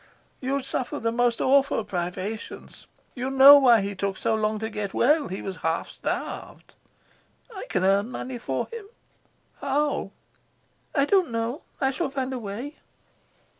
"You'll suffer the most awful privations. You know why he took so long to get well. He was half starved." "I can earn money for him." "How?" "I don't know. I shall find a way."